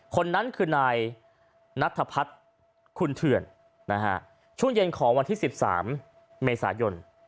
คนนั้นคือนายนัทพัฒน์คุณเถื่อนช่วงเย็นของวันที่๑๓เมษายน